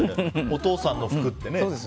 お父さんの服ってね。